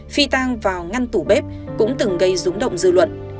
phi tang vào ngăn tủ bếp cũng từng gây rúng động dư luận